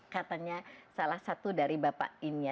katanya salah satu dari bapak ini ya